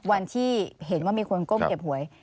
วันที่เห็นว่ามีคนก้มเก็บหวย